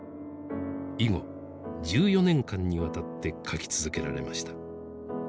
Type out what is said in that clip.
以後１４年間にわたって描き続けられました。